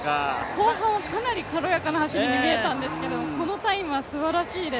後半はかなり軽やかな走りに見えたんですが、このタイムはすばらしいです。